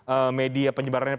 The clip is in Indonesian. eksis media penyebarannya